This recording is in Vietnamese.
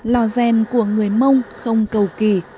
lò gen của người mông không cầu kỳ